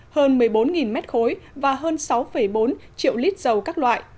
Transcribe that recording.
hơn một mươi bốn mét khối và hơn sáu bốn triệu lít dầu các loại